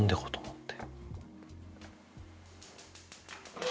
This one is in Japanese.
って